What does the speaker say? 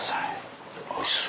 おいしそう。